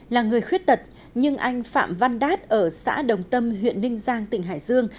là người khuyết tật nhưng anh phạm văn đát ở xã đồng tâm huyện ninh giang tỉnh hải dương